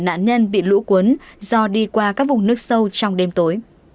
nạn nhân bị lũ cuốn do đi qua các vùng nước sâu trong đêm tối